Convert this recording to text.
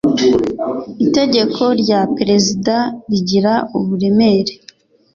itegeko rya prezida rigira uburemere